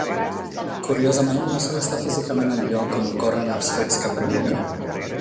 Curiosament, no sol estar físicament al lloc on ocorren els fets que provoca.